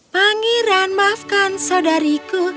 pangeran maafkan saudariku